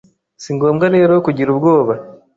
Singombwa rero kugira ubwoba